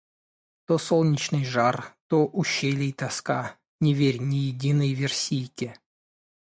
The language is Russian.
То солнечный жар, то ущелий тоска, — не верь ни единой версийке.